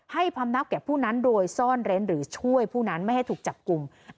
พำนักแก่ผู้นั้นโดยซ่อนเร้นหรือช่วยผู้นั้นไม่ให้ถูกจับกลุ่ม